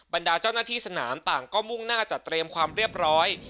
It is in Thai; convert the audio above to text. ดาเจ้าหน้าที่สนามต่างก็มุ่งหน้าจัดเตรียมความเรียบร้อย